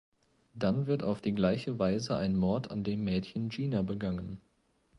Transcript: Dann wird auf die gleiche Weise ein Mord an dem Mädchen Gina begangen.